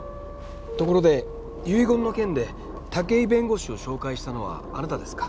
ところで遺言の件で武井弁護士を紹介したのはあなたですか？